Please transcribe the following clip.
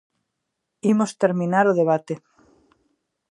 Imos terminar o debate.